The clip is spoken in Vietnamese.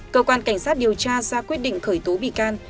cơ quan cảnh sát điều tra ra quyết định khởi tố bị can